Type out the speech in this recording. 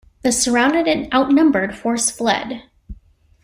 The surrounded and outnumbered force fled.